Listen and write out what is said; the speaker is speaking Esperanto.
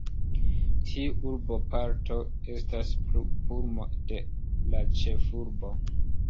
Tiu urboparto estas pulmo de la ĉefurbo.